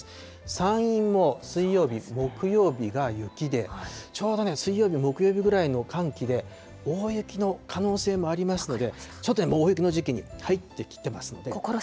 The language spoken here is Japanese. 山陰も水曜日、木曜日が雪で、ちょうど水曜日、木曜日ぐらいの寒気で、大雪の可能性もありますので、ちょっと大雪の時期に入ってきてますので。